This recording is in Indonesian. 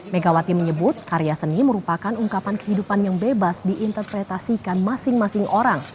megawati menyebut karya seni merupakan ungkapan kehidupan yang bebas diinterpretasikan masing masing orang